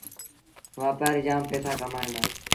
وآپآريٚ جآم پئيٚسآ ڪمائيٚݩ دآ